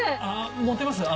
持てます？